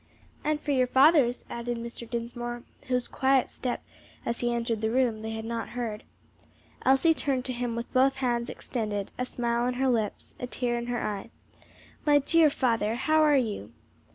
"And for your father's," added Mr. Dinsmore, whose quiet step as he entered the room, they had not heard. Elsie turned to him with both hands extended, a smile on her lips, a tear in her eye, "My dear father, how are you?"